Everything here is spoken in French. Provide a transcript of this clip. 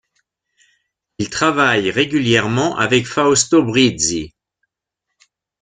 Il travaille régulièrement avec Fausto Brizzi.